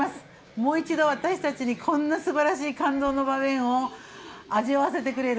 もう一度私たちにこんな素晴らしい感動の場面を味わわせてくれる。